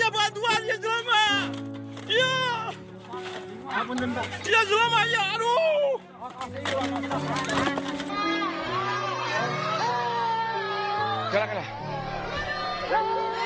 bantuan sekolah sekolah bantuan ya jeloma ya